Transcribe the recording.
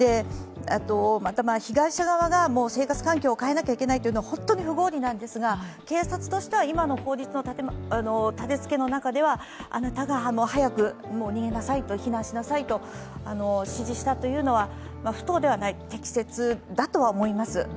また、被害者側が生活環境を変えなきゃいけないというのは本当に不合理なんですが警察としては今の法律の立てつけの中では、早く避難しなさいと、指示したというのは不当ではない適切だと思います。